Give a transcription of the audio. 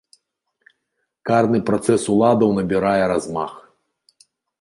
Карны працэс уладаў набірае размах.